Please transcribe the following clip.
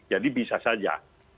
jadi bisa saja